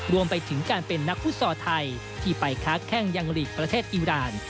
รวมไปถึงการเป็นนักฟุตซอลไทยที่ไปค้าแข้งยังหลีกประเทศอิราณ